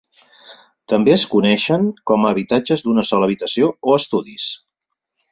També es coneixen com a habitatges d'una sola habitació o estudis.